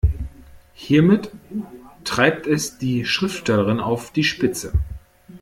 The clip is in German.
Hiermit treibt es die Schriftstellerin auf die Spitze.